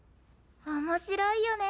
面白いよね。